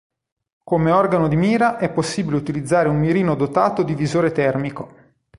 Come organo di mira, è possibile utilizzare un mirino dotato di visore termico.